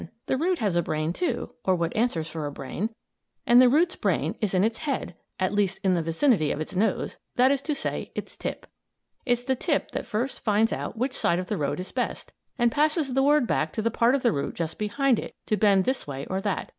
The root has a brain, too, or what answers for a brain. And the root's brain, is in its head; at least in the vicinity of its nose that is to say, its tip. It's the tip that first finds out which side of the road is best, and passes the word back to the part of the root just behind it to bend this way or that.